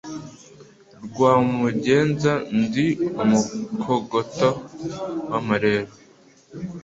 Rwa Mugenza ndi umukogoto w'amarere;